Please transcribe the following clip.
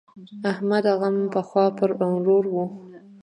احمد غم پخوا پر ورور وو.